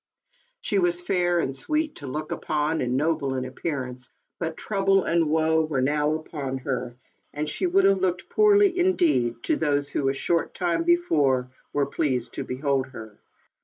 She was fair and sweet to look upon, and noble in appearance, but trouble and woe were now upon her, and she would have looked poorly indeed to those who, 8 ALICE; OR, THE WAGES OF SIN. a short time before, were pleased to behold her.